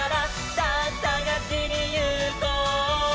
「さぁさがしにいこう」